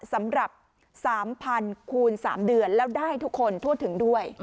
สำหรับ๓๐๐๐คูณ๓เดือนแล้วได้ให้ทุกคนโทษถึงด้วย